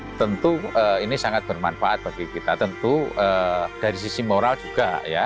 ini tentu sangat bermanfaat bagi kita tentu dari sisi moral juga